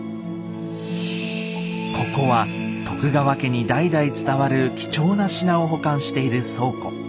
ここは徳川家に代々伝わる貴重な品を保管している倉庫。